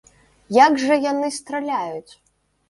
Як жа яны страляюць!